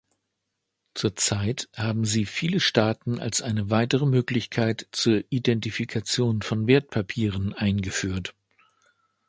Zurzeit haben sie viele Staaten als eine weitere Möglichkeit zur Identifikation von Wertpapieren eingeführt.